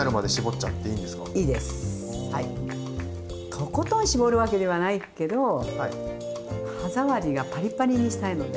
とことん絞るわけではないけど歯触りがパリパリにしたいので。